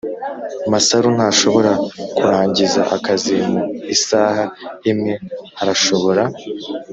masaru ntashobora kurangiza akazi mu isaha imwe, arashobora?